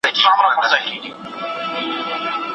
زه به مي پخپله جنازه کي شرنګېدلی یم.